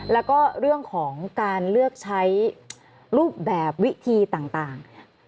แล้วก็เรื่องของการเลือกใช้รูปแบบวิธีต่าง